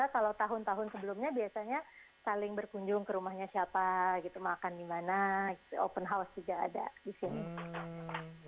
kalau tahun tahun sebelumnya biasanya saling berkunjung ke rumahnya siapa gitu makan di mana open house juga ada di sini